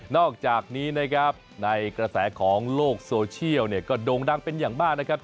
อกจากนี้นะครับในกระแสของโลกโซเชียลเนี่ยก็โด่งดังเป็นอย่างมากนะครับ